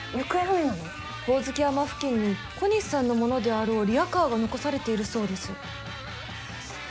ホオズキ山付近に小西さんのものであろうリアカーが残されているそうです。